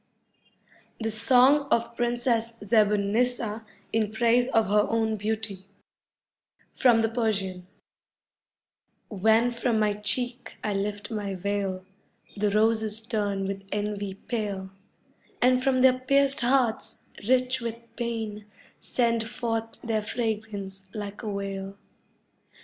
THE SONG OF PRINCESS ZEB UN NISSA IN PRAISE OF HER OWN BEAUTY (From the Persian) When from my cheek I lift my veil, The roses turn with envy pale, And from their pierced hearts, rich with pain, Send forth their fragrance like a wail.